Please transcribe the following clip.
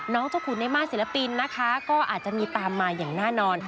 เจ้าขุนในมาตรศิลปินนะคะก็อาจจะมีตามมาอย่างแน่นอน